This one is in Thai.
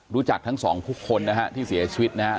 รู้จักทั้งสองผู้คนนะฮะที่เสียชีวิตนะครับ